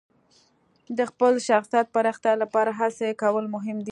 د خپل شخصیت پراختیا لپاره هڅې کول مهم دي.